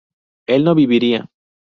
él no viviría